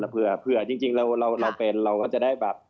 เผื่อจริงเราเป็นเราก็จะได้แบบ